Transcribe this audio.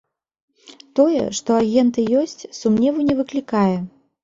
Тое, што агенты ёсць, сумневу не выклікае.